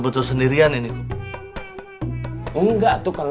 begitulah memegang belakang